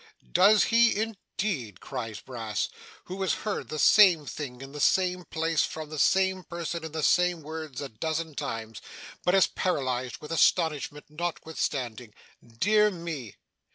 'Does he indeed!' cries Brass, who has heard the same thing in the same place from the same person in the same words a dozen times, but is paralysed with astonishment notwithstanding. 'Dear me!